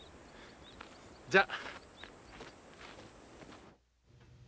じゃあ。